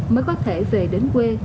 mới có thể về đến quê